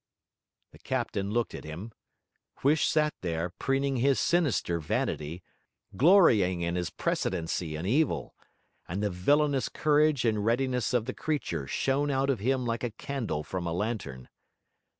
The captain looked at him. Huish sat there, preening his sinister vanity, glorying in his precedency in evil; and the villainous courage and readiness of the creature shone out of him like a candle from a lantern.